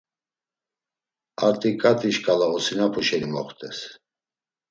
Artiǩati şkala osinapu şeni moxtes.